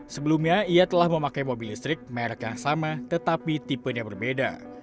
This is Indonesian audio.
sebelumnya ia telah memakai mobil listrik merek yang sama tetapi tipenya berbeda